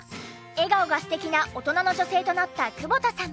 笑顔が素敵な大人の女性となった久保田さん。